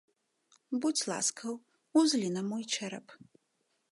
Будзь ласкаў, узлі на мой чэрап.